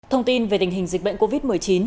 thông tin về tình hình dịch bệnh covid một mươi chín